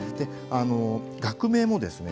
学名もですね